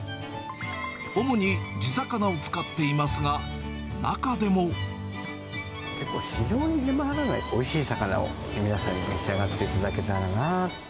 主に地魚を使っていますが、結構、市場に出回らないおいしい魚を皆さんに召し上がっていただけたらな。